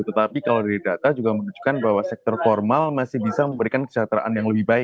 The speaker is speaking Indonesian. tetapi kalau dari data juga menunjukkan bahwa sektor formal masih bisa memberikan kesejahteraan yang lebih baik